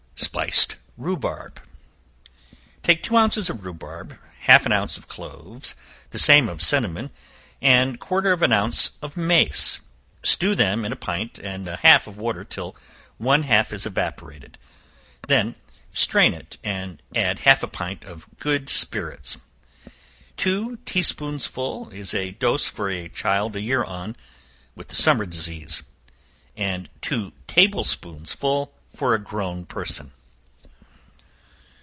Spiced Rhubarb. Take two ounces of rhubarb, half an ounce of cloves, the same of cinnamon, and quarter of an ounce of mace; stew them in a pint and a half of water till one half is evaporated; then strain it and add half a pint of good spirits. Two tea spoonsful is a dose for a child a year old, with the summer disease, and two table spoonsful for a grown person.